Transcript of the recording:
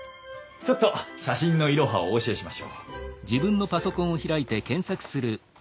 ちょっと写真のイロハをお教えしましょう。